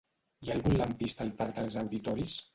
Hi ha algun lampista al parc dels Auditoris?